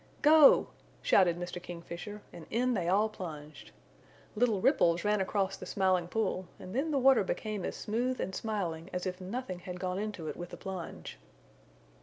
"Go!" shouted Mr. Kingfisher, and in they all plunged. Little ripples ran across the Smiling Pool and then the water became as smooth and smiling as if nothing had gone into it with a plunge.